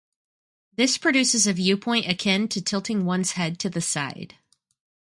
This produces a viewpoint akin to tilting one's head to the side.